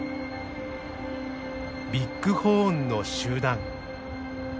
ビッグホーンの集団。